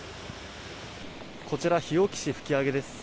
こちら、日置市ふきあげです。